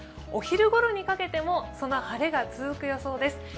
お昼ごろにかけても、その晴れが続く予想です。